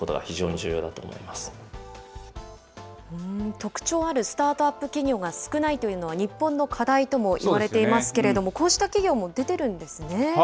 特徴あるスタートアップ企業が少ないというのは日本の課題ともいわれていますけれども、こうした企業も出てるんですね。